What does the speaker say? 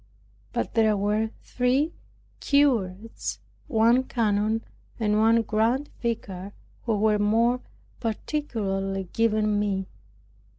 But there were three curates, one canon, and one grand vicar, who were more particularly given me.